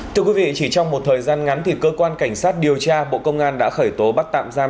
thưa quý vị chỉ trong một thời gian ngắn thì cơ quan cảnh sát điều tra bộ công an đã khởi tố bắt tạm giam